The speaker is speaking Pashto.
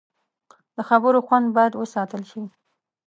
د خبرو خوند باید وساتل شي